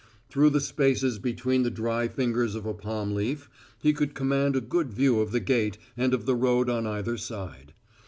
Through the spaces between the dry fingers of a palm leaf he could command a good view of the gate and of the road on either side.